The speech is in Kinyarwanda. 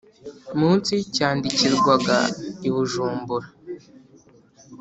Munsi cyandikirwaga i bujumbura